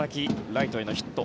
ライトへのヒット。